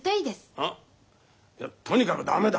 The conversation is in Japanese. あいやとにかく駄目だ。